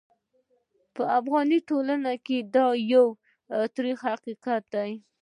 په افغاني ټولنه کې دا یو ترخ حقیقت دی.